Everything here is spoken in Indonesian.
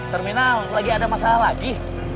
terminal lagi ada masalah lagi